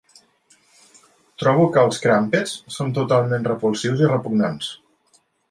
Trobo que els crumpets són totalment repulsius i repugnants.